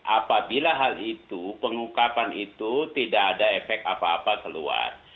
apabila hal itu pengungkapan itu tidak ada efek apa apa keluar